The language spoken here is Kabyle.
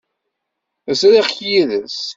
Ẓriɣ-k yid-s.